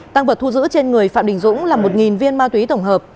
tăng vật thu giữ trên người phạm đình dũng là một viên ma túy tổng hợp